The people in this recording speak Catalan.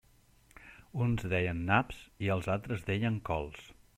Uns deien naps i els altres deien cols.